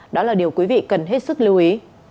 đó là điều quý vị cần hết sức lưu ý